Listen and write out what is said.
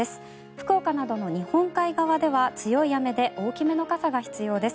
福岡などの日本海側では強い雨で大きめの傘が必要です。